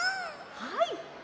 はい！